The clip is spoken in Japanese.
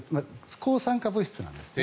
抗酸化物質なんです。